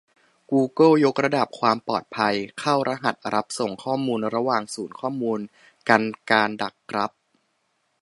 กูเกิลยกระดับความปลอดภัย เข้ารหัสรับส่งข้อมูลระหว่างศูนย์ข้อมูล กันการดักรับ